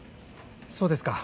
そうですか。